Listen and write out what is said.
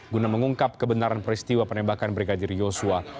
guna mengungkap kebenaran peristiwa penembakan brigadir yosua